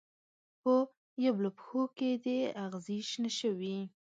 په یبلو پښو کې دې اغزې شنه شوي